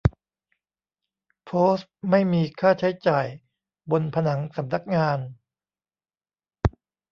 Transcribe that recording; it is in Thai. โพสต์ไม่มีค่าใช้จ่ายบนผนังสำนักงาน